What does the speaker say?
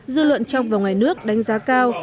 dư luận trong và ngoài nước đánh giá cao